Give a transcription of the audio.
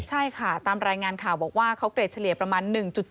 ใช่ค่ะตามรายงานข่าวบอกว่าเขาเกรดเฉลี่ยประมาณ๑๗